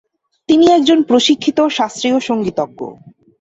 তিনি একজন প্রশিক্ষিত শাস্ত্রীয় সঙ্গীতজ্ঞ।